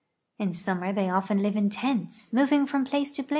In sum mer they often live in tents, moving from place to place.